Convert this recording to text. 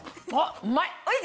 うまい！